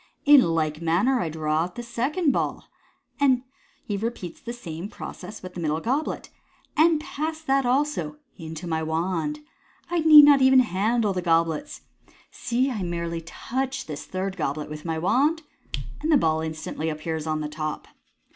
" In like manner I draw out the second ball" (he repeats the same process with the middle goblet), "and pass that also into my wand. I need not even handle the goblets. See, I merely touch this third goblet with my wand, and the ball instantly appears on the top."